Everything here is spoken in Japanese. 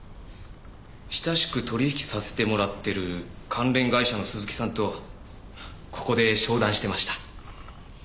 親しく取引させてもらってる関連会社の鈴木さんとここで商談してました。